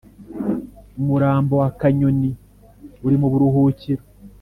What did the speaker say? umurambo wa kanyoni uri mu buruhukiro